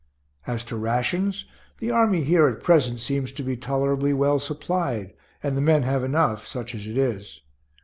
As to rations, the army here at present seems to be tolerably well supplied, and the men have enough, such as it is.